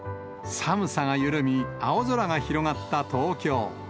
寒さが緩み、青空が広がった東京。